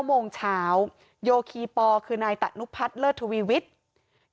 โมงเช้าโยคีปอคือนายตะนุพัฒน์เลิศทวีวิทย์